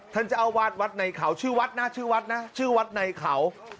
ท่านเจ้าอาวาสวัดในเขาชื่อวัดนะชื่อวัดนะชื่อวัดในเขา